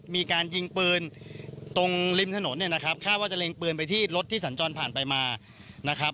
มีการยิงปืนตรงริมถนนเนี่ยนะครับคาดว่าจะเล็งปืนไปที่รถที่สัญจรผ่านไปมานะครับ